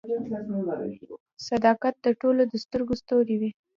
• صداقت د ټولو د سترګو ستوری وي.